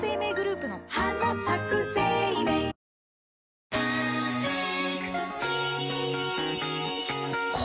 「パーフェクトスティック」